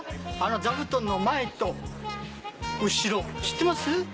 座布団の前と後ろ知ってます？